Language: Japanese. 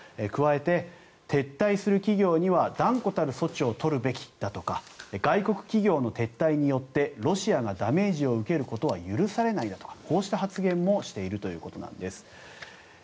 加えて、撤退する企業には断固たる措置を取るべきだとか外国企業の撤退によってロシアがダメージを受けることは許されないだとかこうした発言もしているということです。